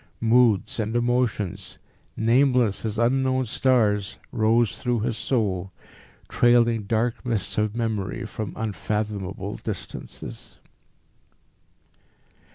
Moods and emotions, nameless as unknown stars, rose through his soul, trailing dark mists of memory from unfathomable distances.